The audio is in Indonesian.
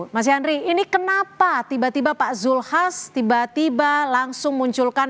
mas yandri ini kenapa tiba tiba pak zulhas tiba tiba langsung munculkan